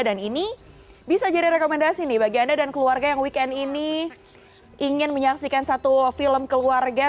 dan ini bisa jadi rekomendasi bagi anda dan keluarga yang weekend ini ingin menyaksikan satu film keluarga